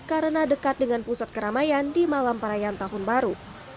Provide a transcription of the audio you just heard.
karena dekat dengan pusat keramaian di malam perayaan tahun baru